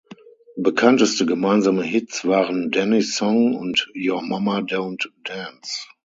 Bekannteste gemeinsame Hits waren "Danny’s Song" und "Your Mama Don’t Dance".